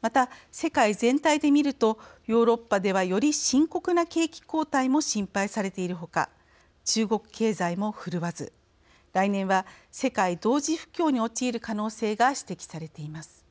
また、世界全体で見るとヨーロッパではより深刻な景気後退も心配されている他中国経済もふるわず来年は世界同時不況に陥る可能性が指摘されています。